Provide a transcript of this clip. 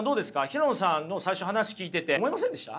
平野さんの最初話聞いてて思いませんでした？